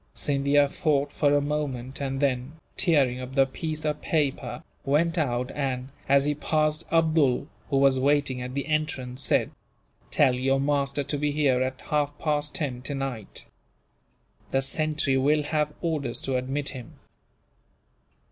Scindia thought for a moment and then, tearing up the piece of paper, went out and, as he passed Abdool, who was waiting at the entrance, said: "Tell your master to be here at half past ten, tonight. The sentry will have orders to admit him."